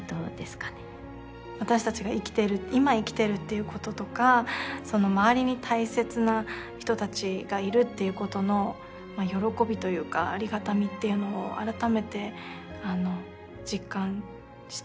私たちが今生きているっていうこととか周りに大切な人たちがいるっていうことの喜びというかありがたみっていうのをあらためて実感して。